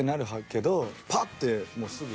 パッてもうすぐ。